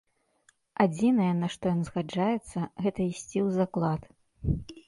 Адзінае, на што ён згаджаецца, гэта ісці ў заклад.